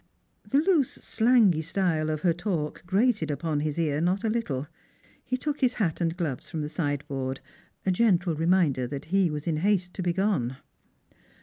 The loose slangy style of her talk grated upon his ear not a little. He took his hat and gloves from the sideboard — a gentle reminder that he was in haste to be gone.